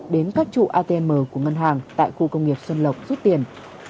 đến các trụ atm của ngân hàng tại khu công nghiệp xuân lộc rút tiền